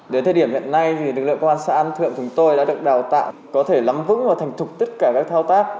đến thời điểm hiện nay thì lực lượng công an xã an thượng chúng tôi đã được đào tạo có thể lắm vững và thành thục tất cả các thao tác